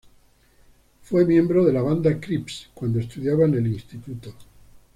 Fue miembro de la banda Crips cuando estudiaba en el instituto.